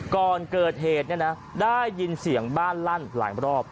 ก่อนเกิดเหตุได้ยินเสียงบ้านลั่นหลายรอบ